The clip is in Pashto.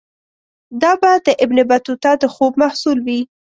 دا به د ابن بطوطه د خوب محصول وي.